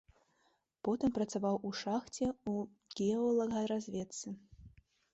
Потым працаваў у шахце, у геолагаразведцы.